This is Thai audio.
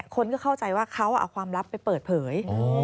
คนก็เข้าใจว่าเขาเอาความลับไปเปิดเผย